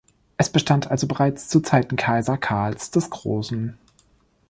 Es bestand also bereits zu Zeiten Kaiser Karls des Großen.